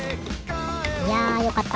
いやよかった。